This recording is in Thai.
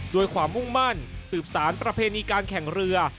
ความมุ่งมั่นสืบสารประเพณีการแข่งเรือ